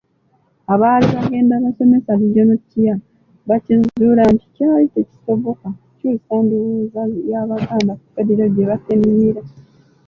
Abaali bagenda basomesa Regional Tier baakizuula nti kyali tekisoboka kukyusa ndowooza y’Abaganda ku Federo gye bettanira.